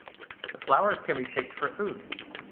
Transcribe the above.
The flowers can be picked for food.